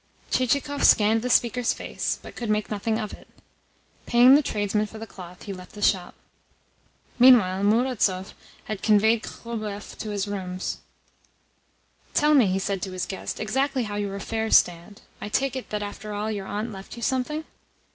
Chichikov scanned the speaker's face, but could make nothing of it. Paying the tradesman for the cloth, he left the shop. Meanwhile Murazov had conveyed Khlobuev to his rooms. "Tell me," he said to his guest, "exactly how your affairs stand. I take it that, after all, your aunt left you something?"